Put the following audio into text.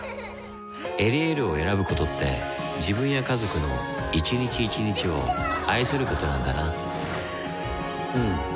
「エリエール」を選ぶことって自分や家族の一日一日を愛することなんだなうん。